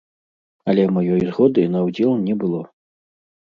Але маёй згоды на ўдзел не было.